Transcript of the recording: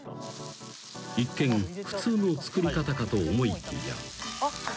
［一見普通の作り方かと思いきや］